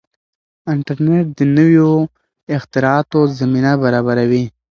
انټرنیټ د نویو اختراعاتو زمینه برابروي.